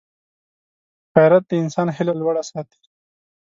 غیرت د انسان هیله لوړه ساتي